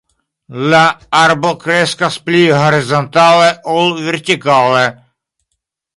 La arbo kreskas pli horizontale ol vertikale.